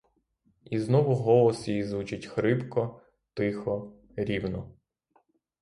І знову голос її звучить хрипко, тихо, рівно.